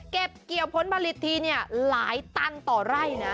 เก็บเกี่ยวพลผลิตทีหลายตันต่อไร่